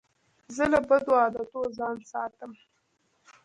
زه له بدو عادتو ځان ساتم.